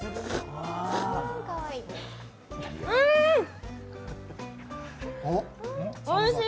うーん、おいしい。